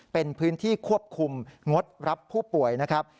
เป็นพื้นที่ควบคุมงดรับผู้ป่วยนะครับ